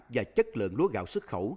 và chất lượng lúa gạo xuất khẩu